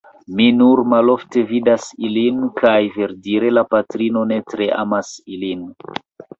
Mi nur malofte vidas ilin; kaj, verdire, la patrino ne tre amas ilin.